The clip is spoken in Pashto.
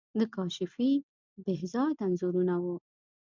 د کاشفی، بهزاد انځورونه وو.